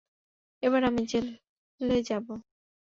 এবার আমি জেলে যাব।